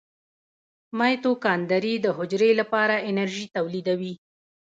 مایتوکاندري د حجرې لپاره انرژي تولیدوي